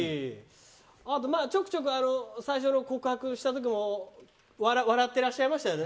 あと、ちょくちょく最初の告白した時も笑ってらっしゃいましたよね。